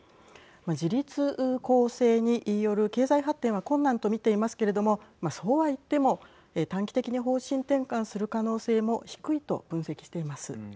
自立更生による経済発展は困難と見ていますけれどもそうはいっても短期的に方針転換する可能性も低いと分析しています。